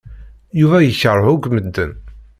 Yuba yekṛeh akk medden.